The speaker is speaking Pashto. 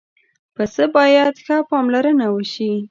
پسه باید ښه پاملرنه وشي.